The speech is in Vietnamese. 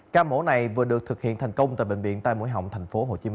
ca mổ này vừa được thực hiện thành công tại bệnh viện tai mũi họng tp hcm